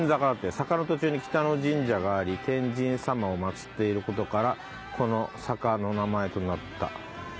「坂の途中に北野神社があり天神様を祀っていることからこの坂の名前となった」。